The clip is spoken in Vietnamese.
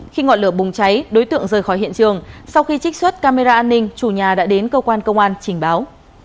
khi ngọn lửa bùng cháy đối tượng rời khỏi hiện trường sau khi trích xuất camera an ninh chủ nhà đã đến cơ quan công an trình báo